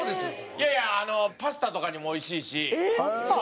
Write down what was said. いやいやパスタとかにも美味しいし。